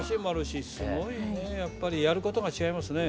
すごいねやっぱりやることが違いますね。